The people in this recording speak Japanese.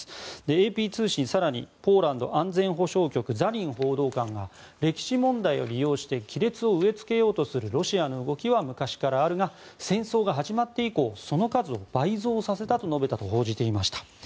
ＡＰ通信、更にポーランド安全保障局ザリン報道官が歴史問題を利用して亀裂を植えつけようとするロシアの動きは昔からあるが戦争が始まって以降その数を倍増させたと述べたと報じていました。